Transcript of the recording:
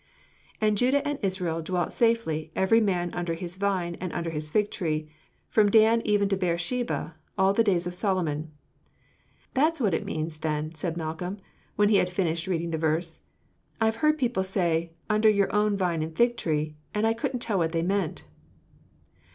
"'And Judah and Israel dwelt safely, every man under his vine and under his fig tree, from Dan even to Beersheba, all the days of Solomon.' That's what it means, then!" said Malcolm, when he had finished reading the verse. "I've heard people say, 'Under your own vine and fig tree,' and I couldn't tell what they meant."